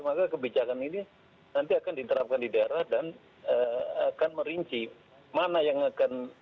maka kebijakan ini nanti akan diterapkan di daerah dan akan merinci mana yang akan